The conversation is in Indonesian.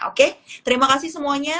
oke terima kasih semuanya